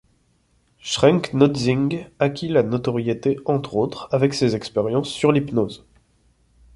Schrenck-Notzing acquit la notoriété entre autres avec ses expériences sur l'hypnose.